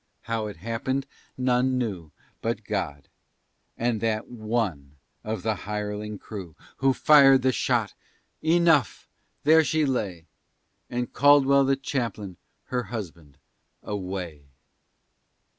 How it happened none knew But God and that one of the hireling crew Who fired the shot! Enough! there she lay, And Caldwell, the chaplain, her husband, away!